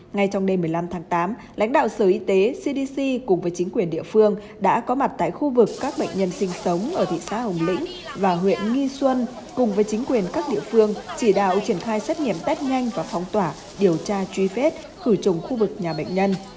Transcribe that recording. ngay trong đêm một mươi năm tháng tám lãnh đạo sở y tế cdc cùng với chính quyền địa phương đã có mặt tại khu vực các bệnh nhân sinh sống ở thị xã hồng lĩnh và huyện nghi xuân cùng với chính quyền các địa phương chỉ đạo triển khai xét nghiệm test nhanh và phong tỏa điều tra truy vết khử trùng khu vực nhà bệnh nhân